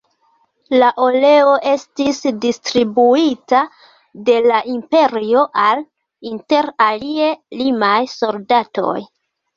La oleo estis distribuita de la imperio al, inter alie, limaj soldatoj.